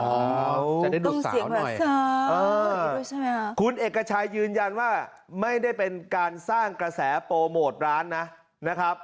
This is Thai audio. จะได้ดูเสียงหน่อยคุณเอกชัยยืนยันว่าไม่ได้เป็นการสร้างกระแสโปรโมทร้านนะครับ